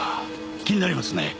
気になりますね。